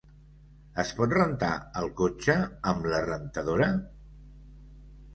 Es pot rentar el cotxe amb la rentadora?